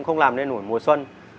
không làm nên nổi mùa xuân